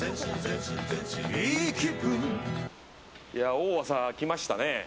大朝、来ましたね。